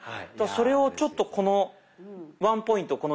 それをちょっとこのワンポイント